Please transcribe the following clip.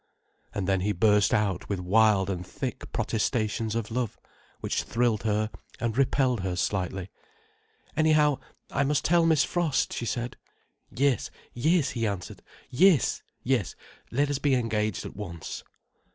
And then he burst out with wild and thick protestations of love, which thrilled her and repelled her slightly. "Anyhow I must tell Miss Frost," she said. "Yes, yes," he answered. "Yes, yes. Let us be engaged at once."